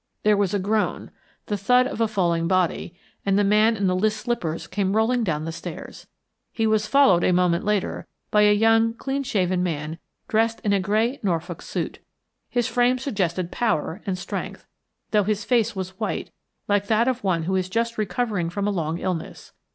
There was a groan, the thud of a falling body, and the man in the list slippers came rolling down the stairs. He was followed a moment later by a young clean shaven man dressed in a grey Norfolk suit. His frame suggested power and strength, though his face was white like that of one who is just recovering from a long illness.